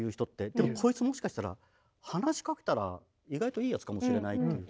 でもこいつもしかしたら話しかけたら意外といいやつかもしれないっていう。